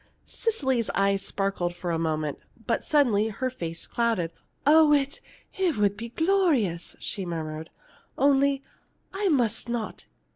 Cecily's eyes sparkled for a moment, but suddenly her face clouded. "Oh, it it would be glorious!" she murmured. "Only I must not.